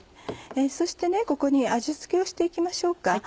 そしてここに味付けをして行きましょうか。